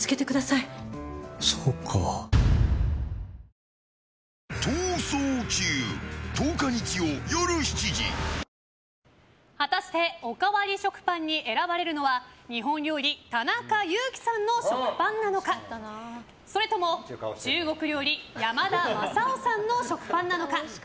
菌の隠れ家を除去できる新「アタックＺＥＲＯ」果たしておかわり食パンに選ばれるのは日本料理・田中佑樹さんの食パンなのかそれとも中国料理山田昌夫さんの食パンか。